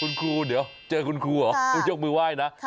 คุณครูเดี๋ยวเจอคุณครูเหรอครูยกมือไหว้นะ